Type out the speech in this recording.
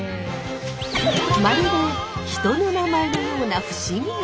まるで人の名前のような不思議な山。